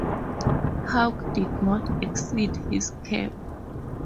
Hawke did not exceed his cap.